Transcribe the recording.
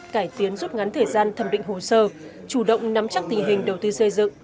cải tiến rút ngắn thời gian thẩm định hồ sơ chủ động nắm chắc tình hình đầu tư xây dựng